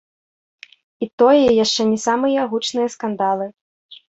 І тое яшчэ не самыя гучныя скандалы.